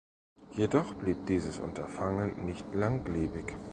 Jedoch blieb dieses Unterfangen nicht langlebig.